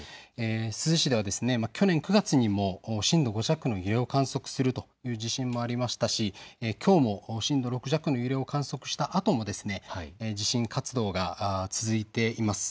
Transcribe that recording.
珠洲市では去年９月にも震度５弱の揺れを観測するという地震もありましたしきょうも震度６弱の揺れを観測したあとも地震活動が続いています。